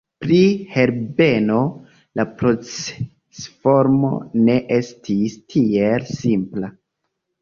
Pri Herbeno, la procesformo ne estis tiel simpla.